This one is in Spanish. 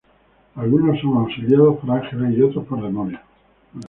Algunos son auxiliados por ángeles y otros por demonios.